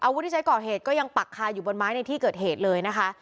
วุฒิที่ใช้ก่อเหตุก็ยังปักคาอยู่บนไม้ในที่เกิดเหตุเลยนะคะ